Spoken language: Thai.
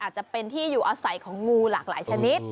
อาจจะเป็นที่อยู่อาศัยของงูหลากหลายชนิด